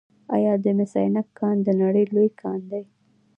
آیا د مس عینک کان د نړۍ لوی کان دی؟